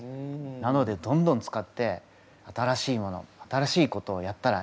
なのでどんどん使って新しいもの新しいことをやったらいいと思います。